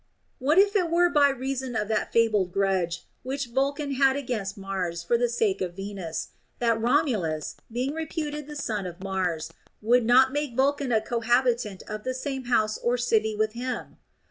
What if it were by reason of that fabled grudge which Vulcan had against Mars for the sake of Venus, that Romulus, being reputed the son of Mars, would not make Vulcan a cohabitant of the same house or city with him